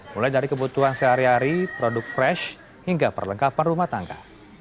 mulai dari kebutuhan sehari hari produk fresh hingga perlengkapan rumah tangga